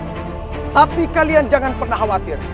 tapi kalian jangan pernah khawatir